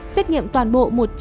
xét nghiệm toàn bộ